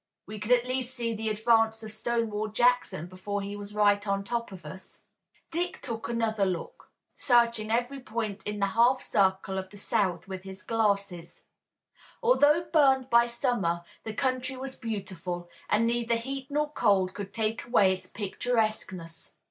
We could at least see the advance of Stonewall Jackson before he was right on top of us." Dick took another long look, searching every point in the half circle of the south with his glasses. Although burned by summer the country was beautiful, and neither heat nor cold could take away its picturesqueness.